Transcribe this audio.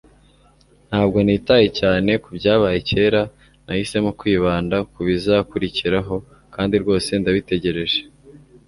ntabwo nitaye cyane kubyabaye kera. nahisemo kwibanda ku bizakurikiraho kandi rwose ndabitegereje